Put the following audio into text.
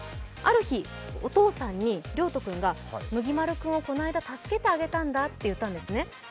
ある日、お父さんにりょうと君が、むぎまる君をこの間、助けてあげたんだと言ったんですね。